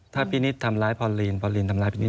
ถ้าพี่นิดทำร้ายพอลีนพอลีนทำร้ายพี่นิด